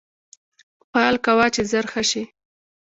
پال کوه چې زر ښه شې